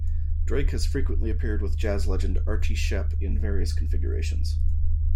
Drake has frequently appeared with jazz legend Archie Shepp in various configurations.